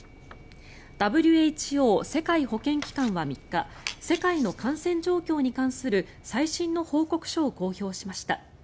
ＷＨＯ・世界保健機関は３日世界の感染状況に関する最新の報告書を公表しました。